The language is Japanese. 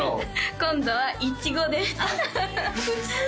今度はイチゴです普通